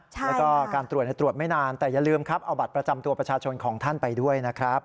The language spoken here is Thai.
แล้วก็การตรวจตรวจไม่นานแต่อย่าลืมครับเอาบัตรประจำตัวประชาชนของท่านไปด้วยนะครับ